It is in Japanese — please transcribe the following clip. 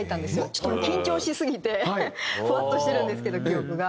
ちょっともう緊張しすぎてフワッとしてるんですけど記憶が。